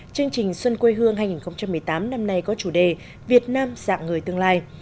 chương trình xuân quê hương hai nghìn một mươi tám năm nay có chủ đề việt nam dạng người tương lai